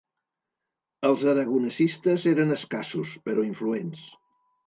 Els aragonesistes eren escassos, però influents.